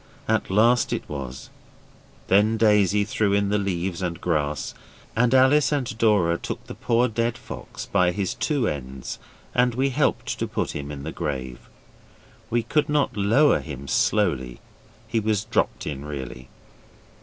At last it was; then Daisy threw in the leaves and grass, and Alice and Dora took the poor dead fox by his two ends and we helped to put him in the grave. We could not lower him slowly he was dropped in, really.